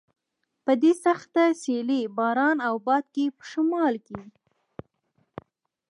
په دې سخته سیلۍ، باران او باد کې په شمال کې.